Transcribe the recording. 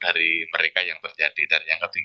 jadi mereka yang tertetapkan sendiri